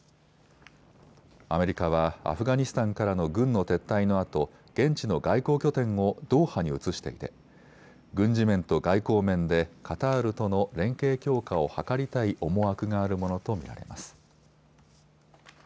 アメリカはアフガニスタンからの軍の撤退のあと現地の外交拠点をドーハに移していて軍事面と外交面でカタールとの連携強化を図りたい思惑があるものと見られます。